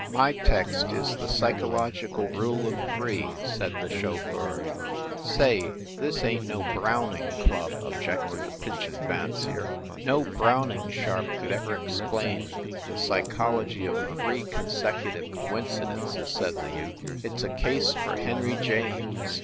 "My text is the Psychological Rule of Three," said the chauffeur. 68 FIND THE WOMAN "Say, this ain t no Browning Club!" objected the pigeon fancier. "No Browning sharp could ever explain the psy chology of three consecutive coincidences," said the youth. "It s a case for Henry James."